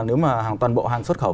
nếu mà toàn bộ hàng xuất khẩu